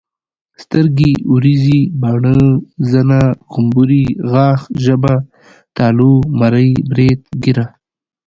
سترګي ، وريزي، باڼه، زنه، غمبوري، غاښ، ژبه ،تالو، مرۍ، بريت، ګيره